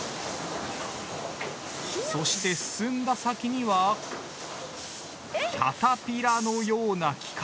そして進んだ先にはキャタピラーのような機械。